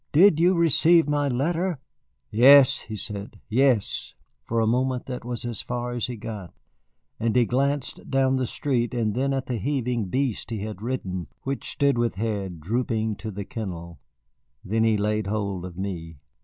"Did you receive my letter?" "Yes," he said, "yes." For a moment that was as far as he got, and he glanced down the street and then at the heaving beast he had ridden, which stood with head drooping to the kennel. Then he laid hold of me.